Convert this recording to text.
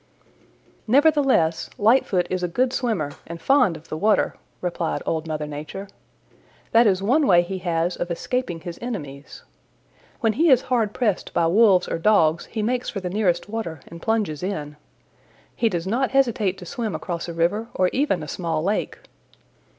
"Nevertheless, Lightfoot is a good swimmer and fond of the water," replied Old Mother Nature. "That is one way he has of escaping his enemies. When he is hard pressed by Wolves or Dogs he makes for the nearest water and plunges in. He does not hesitate to swim across a river or even a small lake.